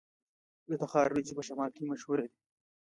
د تخار وریجې په شمال کې مشهورې دي.